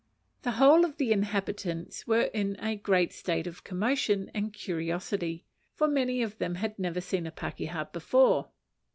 The whole of the inhabitants were in a great state of commotion and curiosity, for many of them had never seen a pakeha before.